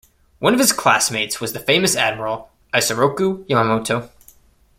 One of his classmates was the famous admiral Isoroku Yamamoto.